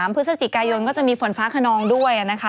พฤศจิกายนก็จะมีฝนฟ้าขนองด้วยนะคะ